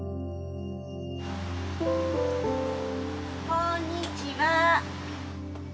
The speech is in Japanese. こんにちは。